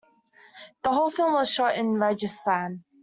The whole film was shot in Rajasthan.